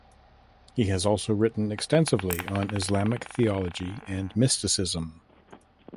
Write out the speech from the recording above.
He has also written extensively on Islamic theology and mysticism.